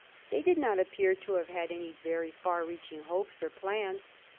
They do not appear to have had any very far reaching hopes or plans.